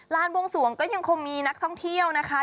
บวงสวงก็ยังคงมีนักท่องเที่ยวนะคะ